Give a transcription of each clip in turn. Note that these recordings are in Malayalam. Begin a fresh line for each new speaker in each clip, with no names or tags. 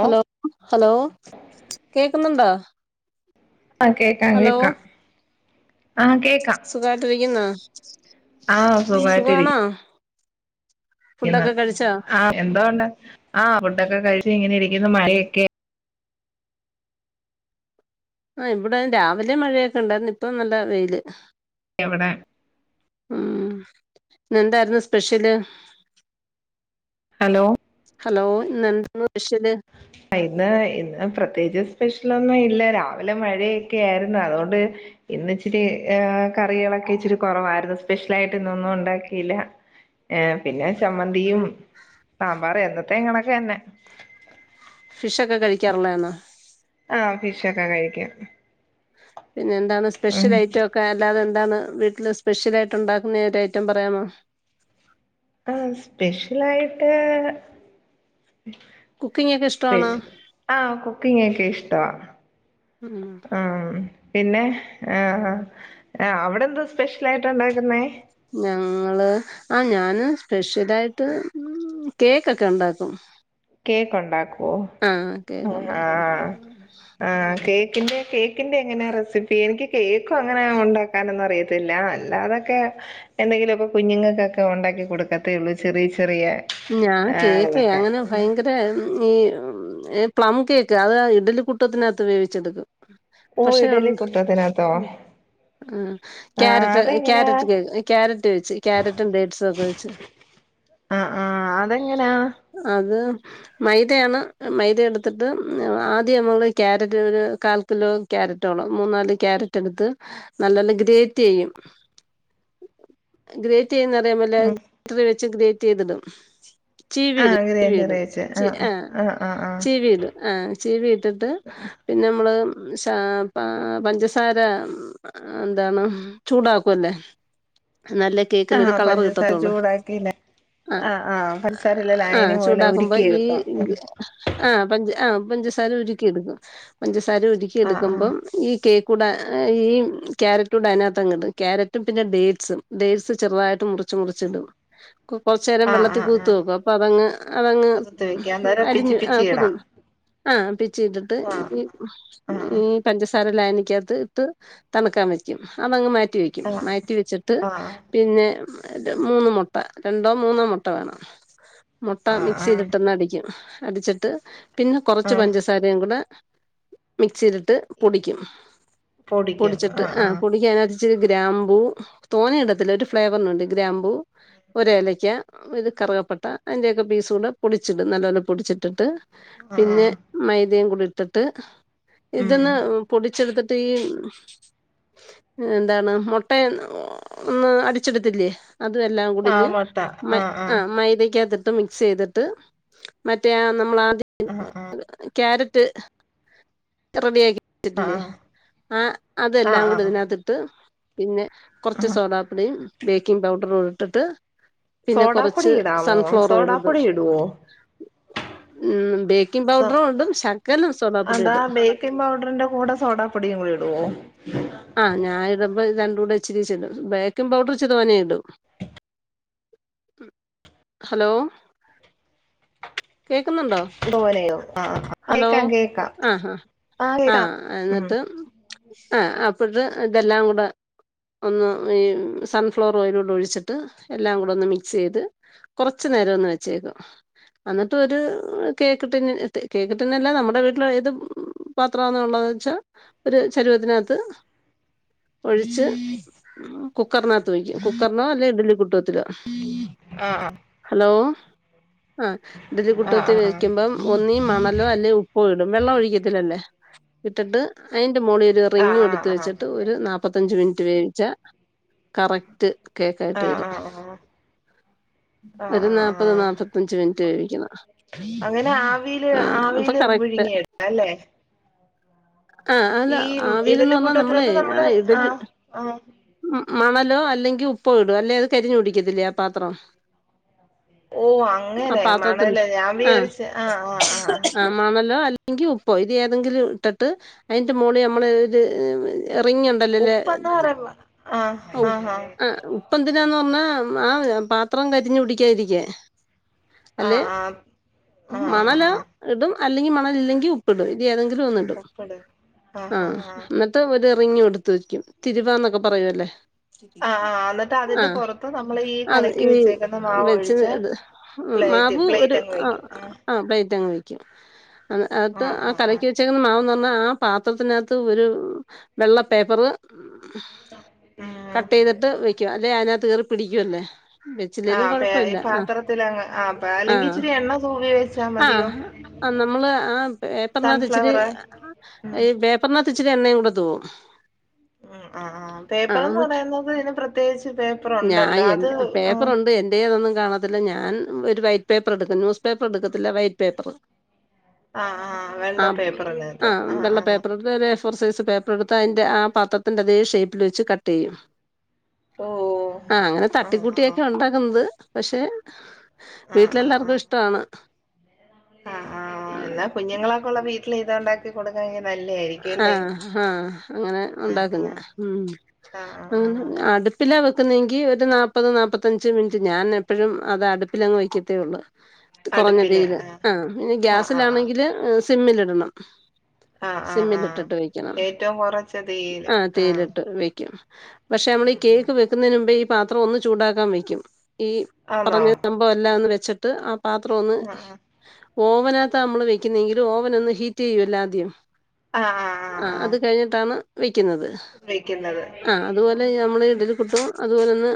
ഓ
ഹലോ ഹലോ കേക്കുന്നുണ്ടാ
ആഹ് കേക്കാം കേക്കാം ആഹ് കേക്കാം
സുഖായിട്ടരിക്കുന്നോ
ആഹ് സുഖമായിട്ടിരി
ഫുഡൊക്കെ കഴിച്ചോ
ആഹ് എന്തോണ്ട ആ ഫുഡൊക്കെ കഴിച്ച ഇങ്ങനെ ഇരിക്കുന്ന മഴയൊക്കെ
ആഹ് ഇവിടെ രാവിലെ മഴയൊക്കെ ഉണ്ടായിരുന്നു ഇപ്പം നല്ല വെയിയില്
എവടെ
ഉം ഇന്നെന്തായിരുന്നു സ്പെഷ്യല്
ഹലോ
ഹലോ ഇന്നെന്തായിരുന്നു പെഷ്യല്
ഇന്ന് ഇന്ന് പ്രത്യേകിച്ച് സ്പെഷ്യലൊന്നു ഇല്ല രാവിലെ മഴയൊക്കെ ആയിരുന്നു അതുകൊണ്ട് ഇന്ന് ഇച്ചിരി ഏ കറികളൊക്കെ ഇച്ചിരി കുറവായിരുന്നു സ്പെഷ്യൽ ആയിട്ട് ഇന്നൊന്നും ഉണ്ടാക്കിയില്ല ഏ പിന്നെ ചമ്മന്തിയും സാമ്പറും എന്നത്തെയും കണക്കെ തന്നെ
ഫിഷ് ഒക്കെ കഴിക്കാറുള്ളയാന്നോ
ആഹ് ഫിഷ് ഒക്കെ കഴിക്കും
പിന്നെ എന്താണ്
ഉം
സ്പെഷ്യല ഐറ്റംക്കെ കാരല്ലാതെ എന്താണ് വീട്ടില് സ്പെഷ്യലായിട്ട് ഉണ്ടാക്കുന്ന ഒരു ഐറ്റം പറയാമോ
ആഹ് സ്പെഷ്യലായിട്ട്
കുക്കിംഗ് ഒക്കെ ഇഷ്ട
ബേഷ് ആഹ് കുക്കിഗ് എനിക്ക് ഇഷ്ടവാ
ഉം
ആം പിന്നെ ആഹ് ആഹ് അവിടെ എന്തോ സ്പെഷ്യലായിട്ട് ഉണ്ടാക്കുന്നേ
ഞങ്ങള് ആഹ് ഞാന് സ്പെഷ്യലായിട്ട് കേക്കൊക്കെ ഉണ്ടാക്കും
കേക്ക് ഉണ്ടാക്കുവോ
ആ കേക്ക്
ആഹ്
ഉണ്ടാക്കും
ആഹ് കേക്കിന്റെ കേക്കിന്റെ എങ്ങനെയാ റെസിപ്പി എനിക്ക് കേക്കും അങ്ങനെയ ഉണ്ടാക്കാനൊന്നും അറിയ അറിയത്തില്ല അല്ലാതൊക്കെ എന്തെങ്കിലും ഒക്കെ കുഞ്ഞുങ്ങൾക്ക് ഒക്കെ ഉണ്ടാക്കി കൊടുക്കത്തേയുള്ളൂ ചെറിയ ചെറിയ.
ഞാൻ
ആ
കേക്ക്
ഇതൊക്കെ
അങ്ങനെ ഭയങ്കര. ഇത് ഈ പ്ലം കേക്ക് അത് ഇഡലിക്കുട്ടത്തിന് അകത്ത് വേവിച്ചെടുക്കും.
ഓ
പക്ഷെ ഉണ്ട്
ഇഡലിക്കുട്ടത്തിന് അകത്തോ?
ആഹ് ക്യാരറ്റ് ക്യാരറ്റ് കേ ക്യാരറ്റ് വെച്ച് ക്യാരറ്റും ഡേഡ്സ് ഒക്കെ വെച്ചു.
ഉം ഉം അത് എങ്ങനെ.
അത് മൈദയാണ് മൈദ എടുത്തിട്ട് ആദ്യം നമ്മൾ ക്യാരറ്റ് ഒരു കാൽ കിലോ. ക്യാരറ്റോളം മൂന്നാല് ക്യാരറ്റ് എടുത്ത് നല്ല പോലെ ഗ്രേറ്റ് ചെയ്യും. ഗ്രേറ്റ് ചെയ്യന്നറിയാമേലെ ഗിറ്ററി വെച്ച് ഗ്രേറ്റ് ചെയ്തു ഇടും. ചീവീ
ആഹ്
ഇടും ചീവീ
ഗ്രൈൻഡർ
ഇടും
വെച്ച്
ചീ ആഹ്
ആഹ് ആഹ്
ചീവീ ഇടും. ആഹ് ചീവി ഇട്ടിട്ട് പിന്നെ നമ്മള് ഷാ പ പഞ്ചസാര. ആഹ് എന്താണ് ചൂടാക്കുല്ലേ നല്ലത്. കേക്കിനൊരു
ആഹ്
കളറ്
പഞ്ചസാര
കിട്ടത്തോള്ളൂ
ചൂടാക്കില്ലേ
ആഹ്.
ആഹ് പഞ്ച
ആഹ് ചൂടാക്കുമ്പോ ഈ. ആഹ് പഞ്ച ആഹ് പഞ്ചസാര ഉരുക്കി എടുക്കും പഞ്ചസാര ഉരുക്കി. ഉരുക്കി
ആഹ്
എടുക്കുമ്പം
ആഹ്
ഈ കേക്ക്. കൂടെ ഈ ക്യാരറ്റ് കൂടെ അതിനകത്ത് ഇടും, ക്യാരറ്റും പിന്നെ ഡേറ്റ്സും ഡേറ്റ്സ് ചെറുതായിട്ട് മുറി മുറിച്ചു മുറിച്ചു ഇടും. കൊറച്ചുനേരം
ആഹ്
വെള്ളത്തിൽ
ആഹ്
കുതിർത്ത്
ആഹ്
വെക്കും, അപ്പൊ അത് അങ്ങ് അതങ്ങ്
കുതിർത്ത് വെക്കാം അന്നേരം പിച്ചി
അലിഞ്ഞു
പിച്ചി
ആഹ്
ഇടാം
കുതിർന്നു. ആഹ് പിച്ച് ഇട്ടിട്ട്
ആഹ്
ഈ
ആഹ്
ഈ. പഞ്ചസാര ലായനിക്ക് അകത്ത് ഇട്ട് തണുക്കാൻ വെക്കും അതങ്ങ് മാറ്റി വെ ക്കും
ആഹ്
മാറ്റി വെച്ചിട്ട്
ആഹ് ആഹ്
പിന്നെ ഏഹ് മൂന്ന് മുട്ട രണ്ടോ മൂന്നോ മു ട്ട വേണം മുട്ട
ആഹ്
മിക്സ്
ആഹ്
ചെയ്തിട്ട് ഒന്ന് അടിക്കും, അടിച്ചിട്ട് പിന്നെ കുറച്ച്
ആഹ്
പഞ്ചസാ സാരയും കൂടെ. മിക്സ് ചെയ്തിട്ട് പൊടിക്കും പൊടിച്ചിട്ട് ആഹ് പൊടിക്കാന്. ഇച്ചിരി ഗ്രാമ്പൂ തോനെ ഇടത്തില്ല ഒരു ഫ്ലേവറിനു വേണ്ടി ഗ്രാമ്പൂ ഒരു ഏലക്ക. ഇത് കറുവപ്പട്ട അതിന്റെ ഒക്കെ പീസ് കൂടെ പൊടിച്ചിടും നല്ലപോലെ പൊടിച്ചിട്ടിട്ട്
ആഹ്
പിന്നെ.
ആഹ്
മൈദയും കൂടി ഇട്ടിട്ട്
ഉം
ഇതിയെന്ന് പൊടിച്ചെടുത്തിട്ട് ഈ. എന്താണ് മുട്ട ഒന്ന് അടിച്ചെടുത്തില്ലേ, അതും എല്ലാം
ആഹ്
കുടിഞ്ഞ്.
മുട്ട ആഹ് ആഹ്
മൈദ അകത്തിട്ട് മിക്സ് ചെയ്തിട്ട് മറ്റേ ആഹ് നമ്മള് ആദ്യം. ക്യാരറ്റ് റെഡി ആക്കി
ആഹ്
വെച്ചിട്ടില്ലേ,
ആഹ്
ആഹ്
ആഹ്
അതെല്ലാം കൂടെ
ആഹ്
ഇതിനുകത്തിട്ട് പിന്നെ. കുറച്ച് സോഡ് പൊടിയും ബേക്കിംഗ് പൗഡറും ഇട്ടിട്ട്. പിന്നെ
സോഡാപ്പൊടി
കൊറച്ച്
ഇടാമോ
സൺഫ്ലവർ ഓയിലൂടെ
സോഡാപ്പൊടി
ഒഴിച്ച്.
ഇടുവോ
ഉം ബേക്കിംഗ് പൗഡറും ഇടും ശകലം സോഡ് പൊടിയും.
ആഹ് ബേക്കിംഗ് പൗഡറിന്റെ കൂടെ സോഡ് പൊടിയും കൂടി ഇടുവോ?
ആഹ് ഞാന് ഇടുമ്പോ ഇത് രണ്ടും കൂടെ ഇച്ചിരി ഇച്ചിരി ഇടും, ബേക്കിംഗ് പൗഡർ ഇച്ചിരി തോനെ ഇടും. ഉം ഹലോ കേക്കുന്നുണ്ടോ,
തോനെയോ ആ
ഹലോ
കേക്കാം കേക്കാം
ആഹ് ആഹ്.
ആ കേക്കാം
ആഹ്
ഉം
എന്നിട്ട് ആഹ് അപ്പുറത്ത് ഇതെല്ലാം കൂടെ. ഒന്ന് ഈ സൺഫ്ലവർ ഓയിലൂടെ ഒഴിച്ചിട്ട് എല്ലാം കൂടെ ഒന്ന് മിക്സ് ചെയ്തു. കുറച്ച് നേരം ഒന്ന് വെച്ചേക്കും. എന്നിട്ട് ഒരു കേക്ക് ടിൻ ഇട്ട് കേക്ക് ടിന്നല്ല നമ്മുടെ വീട്ടിൽ ഏതും. പാത്രമൊന്നൊള്ളതെന്നുച്ചാ ഒരു ചരുവത്തിനാത്ത് ഒഴിച്ച് കുക്കറിനാത്ത് വെയ്ക്കും കുക്കറിനോ അല്ലേ ഇഡലികുട്ടകത്തിലോ
ആ
ഹലോ ആ
ആഹ്
ഇഡലികുട്ടകത്തി
ആഹ്
വെക്കുമ്പം ഒന്നീ മണലോ അല്ലേ ഉ പ്പോയിടും വെള്ളം ഒഴിക്കത്തില്ലല്ലേ ഇട്ടിട്ട് അതിന്റെ മോളിൽ
ആഹ്
ഒരുറിങ്ങും
ആഹ്
എടുത്ത്
ആഹ്
വെച്ചിട്ട്
ആഹ്
ഒരു നാപ്പത്തഞ്ച് മിനിറ്റ് വേവിച്ചാ കറക്റ്റ്
ആഹ്
കേക്കായിട്ടുവരും
ആഹ്
ഒരു
ആഹ്
നാപ്പത്
ആഹ്
നാപ്പത്തഞ്ചുമിനിറ്റ് മുട്ട ഒഴിക്കുന്ന
അങ്ങനെ ആവിയില്
ആ അപ്പൊ
ആവിയില്
കറക്റ്റ്
പുഴുങ്ങിയെടുക്കാം അല്ലേ
ആ അല്ല
ഈ
ആവിയിൽ
ഇഡലി
നിന്നുവന്നാ നമ്മളെ
കൂട്ടത്തിനകത്ത്
ആ
നമ്മള്
ഇടത്
ആഹ് ആഹ്
മണലോ അല്ലെങ്കിൽ ഉപ്പോ ഇടും അല്ലെ അത് കരിഞ്ഞ് പിടിക്കത്തില്ലേ ആ പാത്രം
ഓ
ആ
അങ്ങനെ
പാത്രത്തിന്റെ
മണല് ഞാൻ
ആ
വിചാരിച്ച് ആ ആ ആ
ആ മണലോ അല്ലെങ്കി ഉപ്പോ ഇത് ഏതെങ്കിലും ഇട്ടിട്ട് അതിന്റെ മോളിൽ നമ്മള് ഒരു റിങ്ങ് [inaudible]
ഉപ്പെന്ന് പറയുമ്പോ ആഹ് ആഹ് ആഹ്
ഉപ്പെന്തിനാന്നു പറഞ്ഞാ ആ പാത്രം കരിഞ്ഞു പിടിക്കാതിരിക്കാൻ അല്ലേ
ആഹ് ആഹ് ആഹ്
മണലോ
ആഹ്
ഇടും അല്ലെങ്കി മണലില്ലെങ്കി ഉപ്പിടും ഇത് ഏതെങ്കിലും ഒന്നി
ഉപ്പിടും ആ ഹാ ഹാ
ന്നിട്ട് ഒരു റിങ്ങും എടുത്തുവയ്ക്കും തിരുവാന്നൊക്കെ പറയുവല്ലോ
ആഹ് ആഹ് എന്നിട്ട്
ആ
അതിന്റെ പുറത്ത് നമ്മൾ ഈ
അത്
കലക്കി
ഈ
വെച്ചേക്കുന്ന മാവ്
വെച്ചത്
ഒഴിച്ച്
അത് ഉം
പ്ലേറ്റ്
മാവു ഒരു
പ്ലേറ്റ് അങ്ങ്
ആ
വെക്കും ആഹ്
ആ പ്ലേറ്റ് അങ്ങുവെക്കും അത്
ആഹ്
ആ
ആഹ് ആഹ്
കലക്കി വെച്ചെക്കുന്ന മാവെന്ന് പറഞ്ഞാ ആ പാത്രത്തിനകത്ത് ഒരു വെള്ള പേപ്പറ്
ഉം
കട്ട്ചെയ്തിട്ട് വെയ്ക്കും അല്ലേ അതിനകത്ത് കേറിപിടിക്കുവല്ലേ വെച്ചില്ലേലും കൊഴപ്പമില്ല ആ
[unintelligible] ആം
ആ ആ ആ നമ്മള് ആ പേപ്പറിനകത്ത് ഇച്ചിരി
സൺഫ്ലവർ ഉം
ഈ പേപ്പറിനകത്ത് ഇച്ചിരി എണ്ണയും കൂടെ തൂകും
ഉം ആ ആ
എന്നിട്ട്
പേപ്പറെന്നുപറയുന്നത് ഇതിന്പ്രത്യേകിച്ച്
ഞാൻ
പേപ്പറൊണ്ടല്ലോ അത് ആ
എന്റെ കയ്യിലൊന്നും കാണത്തില്ല ഞാൻ ഒരു വൈറ്റ്പേപ്പർ എടുക്കും ന്യൂസ് പേപ്പർ എടുക്കത്തില്ല വൈറ്റ്പേപ്പറ്
ആഹ് ആഹ് വെള്ള
ആം ആ
പേപ്പറിനകത്ത് ആഹ്
വെള്ള
ആഹ്
പേപ്പറും വേറെ എ ഫോർ സൈസ് പേപ്പറെടുത്ത് അതിന്റെ ആ പാത്രത്തിന്റെ അതേ ഷേപ്പില് വെച്ച് കട്ട്ചെയ്യും
ഓഹ്
ആ അങ്ങനെ
ആഹ് ആഹ്
തട്ടിക്കൂട്ടിയൊക്കെ ഒണ്ടാക്കുന്നത് പക്ഷെ
ആഹ്
വീട്ടിലെല്ലാർക്കും ഇഷ്ടമാണ്
ആ
ആ
എന്നാ കുഞ്ഞുങ്ങളൊക്കെയൊള്ള വീട്ടില് ഇത് ഒണ്ടാക്കി കൊടുക്കാങ്കി നല്ലയാ
ആ ആ അങ്ങനെ
ആഹ്
ഉണ്ടാക്കും ഞാൻ
ആഹ്
ഉം
ആഹ് ആഹ്
അങ്ങനെ
ആഹ്
അടു അടുപ്പിലാ വെക്കുന്നതെങ്കി ഒരു നാപ്പത് നാപ്പത്തഞ്ച് മിനിറ്റ് ഞാൻ എപ്പഴും അത് അടുപ്പിലങ്ങ് വയ്ക്കത്തേ ഉള്ളൂ കൊറഞ്ഞ
അടുപ്പില്
തീയില്
ആഹ്
ആ ഇനി
ആഹ് ആഹ്
ഗ്യാസിലാണെങ്കില് സിമ്മിലിടണം
ആഹ് ആഹ് ആഹ്
സിമ്മിലിട്ടിട്ട് വെക്കണം
ഏറ്റവും കുറച്ച തീയില്
ആ
ആഹ്
തീയിലിട്ട് വെക്കും പക്ഷെ നമ്മളീ
ഉം ഉം
കേക്ക് വെക്കുന്നതിനുമുമ്പേ ഈ പാത്രം ഒന്ന് ചൂടാക്കാൻ വെക്കും ഈ
ആന്നോ
പറഞ്ഞ നമ്മ് പ്പം എല്ലാം ഒന്നുവെച്ചിട്ട് ആ പാത്രമൊന്ന്
ആഹ്
ഓവനാത്ത നമ്മള് വെക്കുന്നെങ്കി ഓവനൊന്ന് ഹീറ്റുചെയ്യുവല്ലൊ ആദ്യം
ആ
ആ അതുകഴിഞ്ഞിട്ടാണ് വെക്കുന്നത്
വെക്കുന്നത്
ആ അതുപോലെ ഞമ്മളെ ഇഡിലികുട്ടും അതുപോലൊന്ന്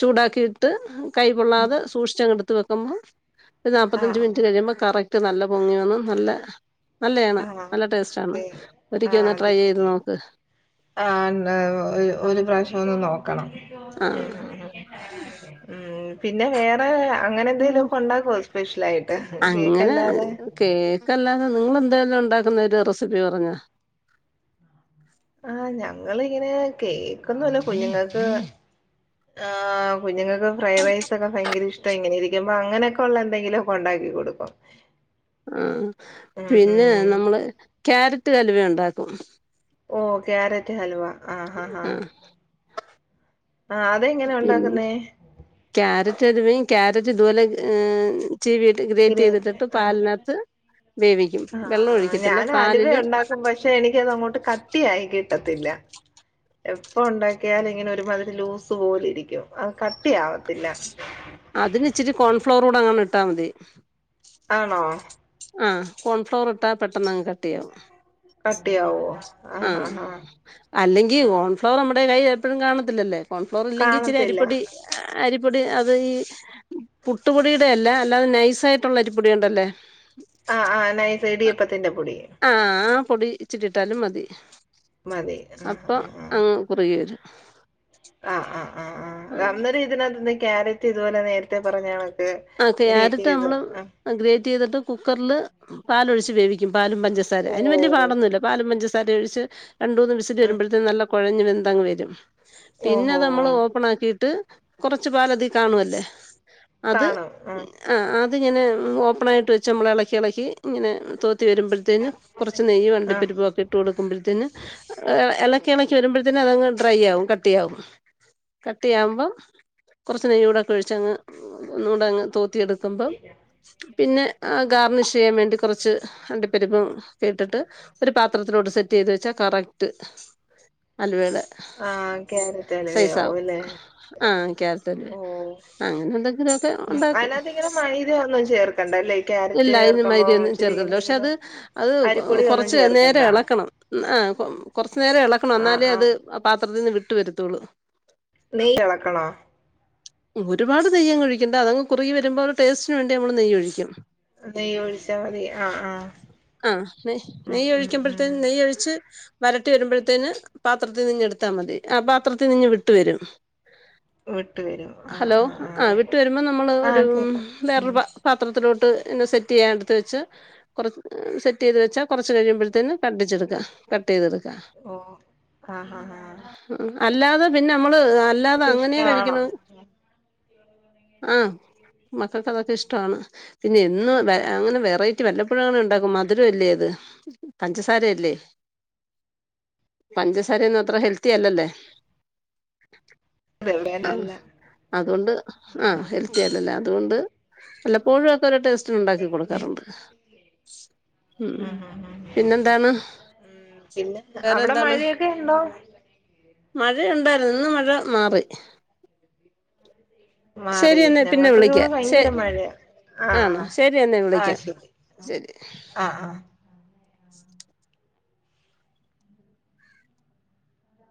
ചൂടാക്കിയിട്ട് കൈ
ഉം
പൊള്ളാതെ സൂക്ഷിച്ചങ്ങെടുത്ത് വെക്കുമ്പം ഒരു
ആഹ്
നാപ്പത്തഞ്ച് മിനിറ്റ്
ആഹ്
കഴിയുമ്പം കറക് റ്റ് നല്ല പൊങ്ങി വന്ന് നല്ല നല്ലെയാണ്
ആഹ്
ടേസ്റ്റ് ആണ്
ഓക്കെ
ഒരിക്കെ
ആഹ്
ഒന്ന്
അത്
ട്രൈ ചെയ്ത്
ശരി
നോക്ക്
ആഹ് ന്നാ ഒരു പ്രാവശ്യം ഒന്ന് നോക്കണം
ആ
ഉം പിന്നെ വേറെ അങ്ങനെ എന്തേലും ഒക്കെ ഒണ്ടാക്കോ സ്പെഷ്യൽ ആയിട്ട്
അങ്ങനെ
കേക്ക്ല്ലാതെ
കേക്കല്ലാതെ നിങ്ങളെന്തേലും ഉണ്ടാക്കുന്ന ഒരു റെസിപ്പി പറഞ്ഞ
ആഹ് ഞങ്ങളിങ്ങനെ കേക്കൊന്നുല്ല കുഞ്ഞുങ്ങക്ക് ആഹ് കുഞ്ഞ്ങ്ങ ഫ്രൈഡ് റൈസൊക്കെ ഭയങ്കര ഇഷ്ട ഇങ്ങനെ ഇരിക്കുമ്പൊ അങ്ങനൊക്കെള്ള എന്തെങ്കിലൊക്കെ ഉണ്ടാക്കി കൊടുക്കും
ഉം
ഉം
പിന്നെ
ഉം
നമ്മള് ക്യാരറ്റ് അലുവ ഉണ്ടാക്കും
ഓഹ് കാരറ്റ് ഹൽവാ
ഉം
ആഹ് അതെങ്ങനെ
പിന്നെ
ഉണ്ടാക്കുന്നേ
ക്യാരറ്റ് അലുവേം ക്യാരറ്റ് ഇതുപോലെ ചീവീട്ട് ഗ്രേറ്റ്
ഗ്രേ
ചെയ്തിട്ട്
ആഹ്
പാലിനകത്ത് വേവിക്കും
ആ
വെള്ളം ഒഴിക്കത്തില്ല
ഞാൻ അലുവ
പാലില്
ഉണ്ടാക്കും പക്ഷെ എനിക്കത് അങ്ങോട്ട് കട്ടിയായി കിട്ടത്തില്ല എപ്പൊ ഉണ്ടാക്കിയാലും ഇങ്ങനെ ഒരു മാതിരി ലൂസ് പോലെ ഇരിക്കും അത് കട്ടി ആവത്തില്ല
അതിന് ഇച്ചിരി കോൺഫ്ലവറൂടെ അങ്ങെട്ട് ഇട്ടാ മതി
ആണോ
ആഹ് കോൺഫ്ലവർ ഇട്ടാ പെട്ടെന്നങ്ങ് കട്ടിയാവും
കട്ടിയാവോ ആ ഹാ
ആഹ്
ഹാ
അല്ലെങ്കി
ആ
കോൺഫ്ലവർ നമ്മുടെ കൈയില് എപ്പോഴും കാണത്തില്ലല്ലേ കോൺഫ്ലവറില്ലെങ്കി ഇച്ചിരി
കാണത്തില്ല
അരിപ്പൊടി അരിപ്പൊടി അത് ഈ പുട്ടുപൊടിയുടെയല്ല അല്ലാതെ നൈസായിട്ടുള്ള അരിപ്പൊടി കൊണ്ടല്ലേ
ആഹ് ആഹ് നൈസ് ഇടിയപ്പത്തിന്റെ പൊടി
ആഹ് ആ പൊടി ഇച്ചിട്ടി ഇട്ടാലും മതി
മതി ആ
അപ്പം അങ് കുറുകി വരും
ആഹ് അഹ് അഹ് അഹ്
ആ
അന്നേരം ഇതിനകത്ത്ന്ന് ക്യാരറ്റ് ഇതുപോലെ നേര ത്തേ പറഞ്ഞ കണക്ക്
ആ
ഗ്രേറ്റ്
ക്യാരറ്റ്
ചെയ്ത്
നമ്മൾ
ആഹ്
ഗ്രേറ്റ് ചെയ്തിട്ട് കുക്കറില് പാലൊഴിച്ച് വേവി ക്യും പാലും പഞ്ചസാരിം അതിന് വല്യ
ഓ
പാടൊന്നുല്ല പാലും പഞ്ചസാരിം ഒഴിച്ച് രണ്ട് മൂന്ന് വിസില്
ആ.
വരുമ്പോഴത്തിനും നല്ല കൊഴഞ്ഞ് വെന്തങ്ങ് വരും
ഓഹോ
പിന്നെത് നമ്മൾ ഓപ്പൺ ആക്കിയിട്ട് കൊറച്ചു പാലതി
ആ.
കാണുല്ലേ അത്
കാണും ആ
ആഹ് അത് ഇങ്ങനെ ഓപ്പൺ ആയിട്ട് വെച്ച് നമ്മൾ എളക്ക്യളക്കി ഇങ്ങനെ തോത്തി വരുമ്പോ ത്തിനും കൊറച്ച് നെയ്യും
ആ
അണ്ടിപ്പരിപ്പൊക്കെ ഇട്ട് കൊടുക്കുമ്പോൾത്തിന് എളക്കിയെളക്കി വരുമ്പോൾത്തിന് അതങ്ങ് ഡ്രൈ ആവും കട്ടിയാവും കട്ടിയാവുമ്പം കൊറച്ച് നെയ്യൂടൊക്കെ ഒഴിച്ചങ്ങ് ഒന്നൂടങ്ങ് തോ ത്തി എടുക്കുമ്പം പിന്നെ ആ ഗാർണിഷ് ചെയ്യാൻ വേണ്ടി കൊറച്ച് അണ്ടിപ്പരുപ്പും ക്കേട്ടിട്ട് ഒരു പാത്രത്തിലോട്ട് സെറ്റ് ചെയ്ത് വെച്ച കറക്റ്റ് അൽവേടെ
ആഹ് ക്യാരറ്റ് അലുവയാവും
സൈസാവും
അല്ലേ
ആഹ് ക്യാരറ്റെന്നെ
ഓഹ്
അങ്ങനാണ് എന്തെങ്കിലൊക്കെ
ഉം
ഉണ്ടാക്കും
അതിനകത്ത് ഇങ്ങനെ മൈദയൊന്നും ചേർക്കണ്ടല്ലേ ക്യാരറ്റ്
ഇല്ല അയ്ന്
ചേർക്കുമ്പോ
മൈദ്യയൊന്നും
ഇച്ചിരി
ചേർക്കത്തില്ല പക്ഷെ
എന്തെങ്കിലും
അത് അത്
അരിപ്പൊടി ഒന്നും
കൊറച്ച്
ചേർക്കണ്ട
നേരം എളക്ക ക്കണം ആഹ് കൊറച്ചു നേരം എളക്കണം
ആഹ്
എന്നാലേ അത്
ആഹ്
പാത്രത്തിന്ന് വിട്ടു വരുത്തുള്ളു
നെയ്യ് എളക്കണോ
ഒരുപാട് നെയ്യങ്ങ് ഒഴിക്കണ്ട അതങ്ങ് കുറുകി വരുമ്പോ ഒര് ടേസ്റ്റിന് വേണ്ടി നമ്മള് നെയ്യൊഴിക്കും
നെയ്യൊഴിച്ചാ മതി ആഹ് ആഹ്
അഹ് നെയ്
ഉം ഉം
നെയ്യൊഴിക്കുമ്പത്തേ
ഉം
നെയ്യൊഴിച്ച് വരട്ടി വരുമ്പഴത്തേന് പാത്രത്തിൽ നിന്നെട്ത്താ മതി ആ പാത്രത്തിന്നിങ്ങ് വിട്ട് വരും
വിട്ട് വരും ആഹ് ആഹ് ആഹ്
ആഹ് വിട്ട് വരുമ്പ നമ്മള് ഒര്
ആഹ് കേക്കാം ഉം
വേറൊരു പ പാത്രത്തിലോട്ട് പിന്നെ സെറ്റെയ്യാൻ ഇട്ത്ത് വെച്ച് കൊറ സെറ്റ്യ്ത് വെച്ചാ കൊറച്ച് കഴിയുമ്പഴത്തേന് കട്ടിച്ചെടുക്ക കട്ടെയ്തെട്ക്ക
ഓഹ് ആഹ് ആഹ് ആഹ്
ഉം അല്ലാതെ പിന്നമ്മള് അല്ലാതെ
അതൊക്കെ
അങ്ങനെയാ
ഇഷ്ടാണോ
കഴിക്ക്ണ് ആഹ് മക്കക്കതൊക്കെ ഇഷ്ടാണ് പിന്നെ എന്നും വെ അങ്ങനെ വെറൈറ്റി വല്ലപ്പോഴങ്ങനെണ്ടാക്കും മധുരല്ലേ അത് പഞ്ചസാരയല്ലേ പഞ്ചസാരയൊന്നു അത്ര ഹെൽത്തിയല്ലല്ല
തെവ്ടേലല്ല
അത്കൊണ്ട് ആഹ് ഹെൽത്തിയലല്ല അത്കൊണ്ട് വല്ലപ്പോഴുവൊക്കെ ഒരു ടേസ്റ്റിന് ഇണ്ടാക്കി കൊടുക്കാറുണ്ട്
ഉം ഉം ഉം ഉം
പിന്നെന്താണ്
ഉം പിന്നെ
വേറെ
അവിടെ മഴയൊക്കെ ഉണ്ടോ?
മഴയുണ്ടാര്ന്നു ഇന്ന് മഴ മാറി
മാറി
ശരിയെന്നാ പിന്നെ
ഞങ്ങൾക്കൊക്കെ
വിളിക്ക
ഇവിടെ
ശ
ഭയങ്കര മഴയാ
ആണോ
ആഹ്
ശരി എന്നാ
ആഹ്
വിളിക്കാം
ശരി
ശരി
ആഹ് ആഹ്